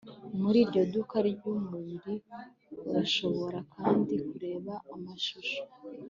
Muri iryo duka ryumubiri urashobora kandi kureba amashusho